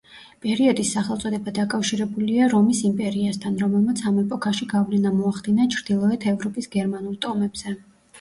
პერიოდის სახელწოდება დაკავშირებულია რომის იმპერიასთან, რომელმაც ამ ეპოქაში გავლენა მოახდინა ჩრდილოეთ ევროპის გერმანულ ტომებზე.